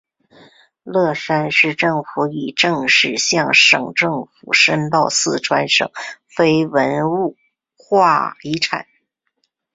乐山市政府也已正式向省政府申报四川省非物质文化遗产。